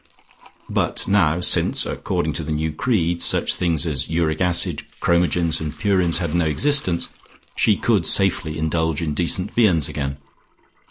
But now, since, according to the new creed, such things as uric acid, chromogens and purins had no existence, she could safely indulge in decent viands again.